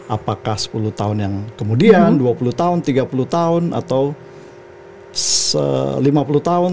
apakah sepuluh tahun yang kemudian dua puluh tahun tiga puluh tahun atau lima puluh tahun